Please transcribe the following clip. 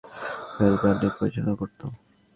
Eastern Bengal railway এই রেলপথটি পরিচালনা করত।